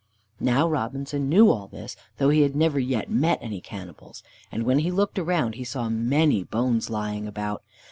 Now Robinson knew all this, though he had never yet met any cannibals. And when he looked around he saw many bones lying about.